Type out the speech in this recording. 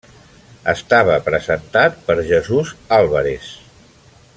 Estava presentat per Jesús Álvarez.